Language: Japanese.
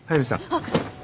あっ。